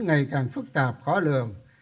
ngày càng phức tạp khó lường